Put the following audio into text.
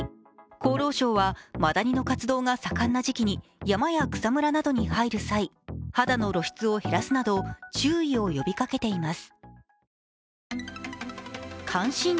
厚労省はマダニの活動が盛んな時期に山や草むらなどに入る際、肌の露出を減らすなど注意を呼びかけています。